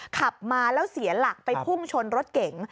ขับมาแล้วเสียหลักไปพุ่งชนรถเก๋ง